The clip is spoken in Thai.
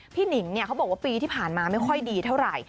หนิงเขาบอกว่าปีที่ผ่านมาไม่ค่อยดีเท่าไหร่